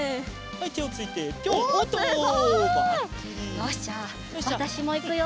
よしじゃあわたしもいくよ。